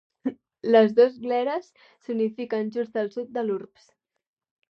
Les dos gleres s'unifiquen just al sud de l'urbs.